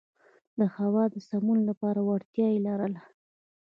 د هوا د سمون لپاره وړتیا یې لرله.